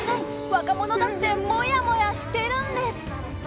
若者だってもやもやしてるんです！